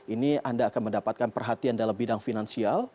ini anda akan mendapatkan perhatian dalam bidang finansial